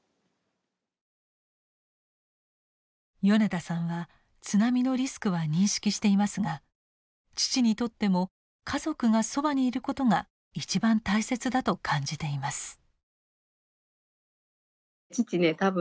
米田さんは津波のリスクは認識していますが父にとっても家族がそばにいることが一番大切だと感じています。